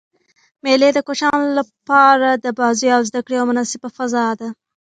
مېلې د کوچنيانو له پاره د بازيو او زدکړي یوه مناسبه فضا ده.